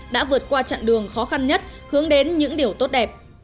đã vượt qua chặng đường khó khăn nhất hướng đến những điều tốt đẹp